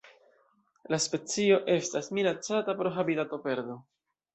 La specio estas minacata pro habitatoperdo.